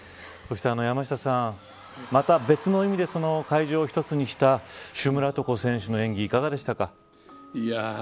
そして山下さん、また別の意味で会場を一つにしたシュムラトコ選手の演技いかがでしたか。